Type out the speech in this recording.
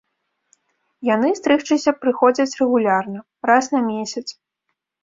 Яны стрыгчыся прыходзяць рэгулярна, раз на месяц.